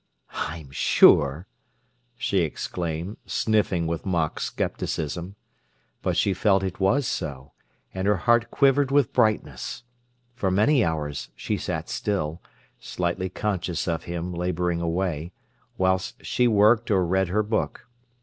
"I'm sure!" she exclaimed, sniffing with mock scepticism. But she felt it was so, and her heart quivered with brightness. For many hours she sat still, slightly conscious of him labouring away, whilst she worked or read her book.